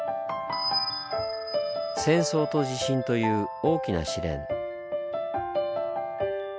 戦争と地震という大きな試練。